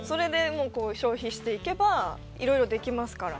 消費していけばいろいろできますから。